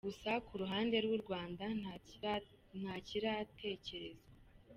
Gusa ku ruhande rw’u Rwanda ntakiratekerezwa.